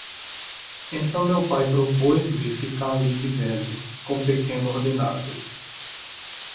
Então meu pai propôs-lhe ficar ali vivendo, com pequeno ordenado.